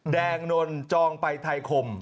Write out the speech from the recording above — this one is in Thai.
แดงนนจองไปไทยคม